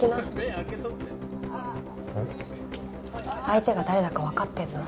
相手が誰だかわかってんの？